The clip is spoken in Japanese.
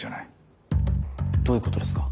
どういうことですか？